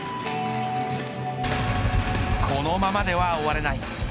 このままでは終われない。